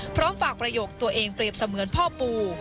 พร้อมฝากประโยคตัวเองเปรียบเสมือนพ่อปู่